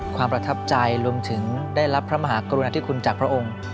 ประทับใจรวมถึงได้รับพระมหากรุณาธิคุณจากพระองค์